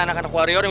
ayo kita kejar kejar